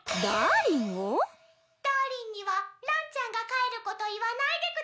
ダーリンにはランちゃんが帰ること言わないでください。